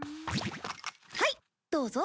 はいどうぞ。